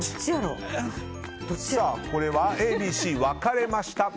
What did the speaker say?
これはＡ、Ｂ、Ｃ分かれました。